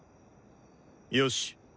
「よし。